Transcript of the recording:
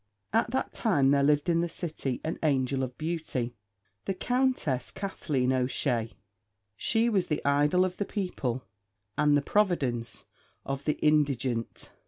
At that time there lived in the city an angel of beauty, the Countess Kathleen O'Shea. She was the idol of the people and the providence of the indigent.